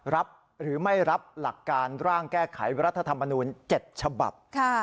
รับหรือไม่รับหลักการร่างแก้ไขรัฐธรรมนูล๗ฉบับ